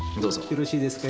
よろしいですか？